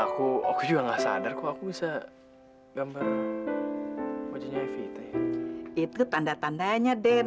ah ah ah aku jelasadar kuang aku gidah gambaract wajah evita itu tanda tandanya den